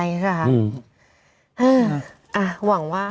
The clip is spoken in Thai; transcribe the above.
อ้าวหวังว่า